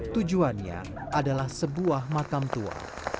tujuannya adalah sebuah makam tua